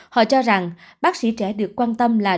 họ cho rằng bác sĩ trẻ được quan tâm là